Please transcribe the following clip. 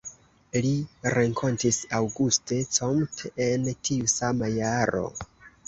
Li renkontis Auguste Comte en tiu sama jaro.